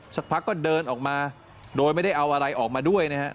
สักพักก็เดินออกมาโดยไม่ได้เอาอะไรออกมาด้วยนะฮะ